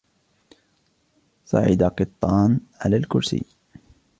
صعد قطان على الكرسي.